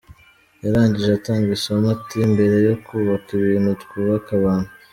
Yarangije atanga isomo ati :« Mbere yo kubaka ibintu, twubake abantu ».